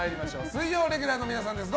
水曜レギュラーの皆さんです。